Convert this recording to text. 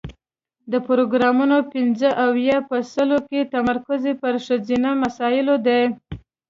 د پروګرامونو پنځه اویا په سلو کې تمرکز یې پر ښځینه مسایلو دی.